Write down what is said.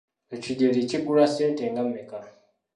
Ekidyeri kigulwa ssente nga mmeka?